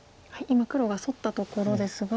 今黒がソッたところですが。